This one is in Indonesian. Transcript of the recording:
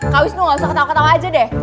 kak wisnu gak usah ketawa ketawa aja deh